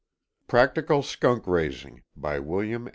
Practical Skunk Raising. By William E.